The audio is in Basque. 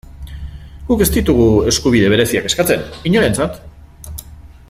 Guk ez ditugu eskubide bereziak eskatzen, inorentzat.